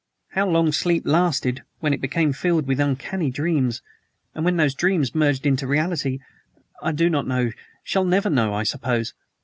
"How long sleep lasted, when it became filled with uncanny dreams, and when those dreams merged into reality, I do not know shall never know, I suppose.